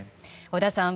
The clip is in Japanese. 織田さん